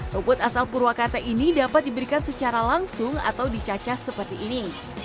rumput asal purwakarta ini dapat diberikan secara langsung atau dicacah seperti ini